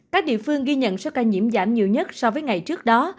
các địa phương ghi nhận số ca nhiễm giảm nhiều nhất so với ngày trước đó